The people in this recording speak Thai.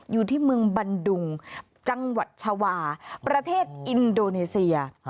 อยู่ที่เมืองบันดุงจังหวัดชาวาประเทศอินโดนีเซีย